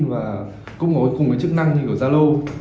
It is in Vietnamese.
và cũng có chức năng như zalo